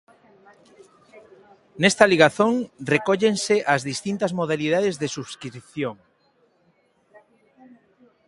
Nesta ligazón recóllense as distintas modalidades de subscrición.